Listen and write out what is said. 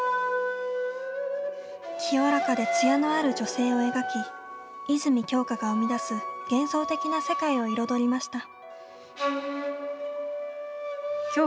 清らかでつやのある女性を描き泉鏡花が生み出す幻想的な世界を彩りました。